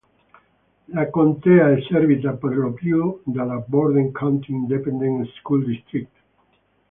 La contea è servita per lo più dalla Borden County Independent School District.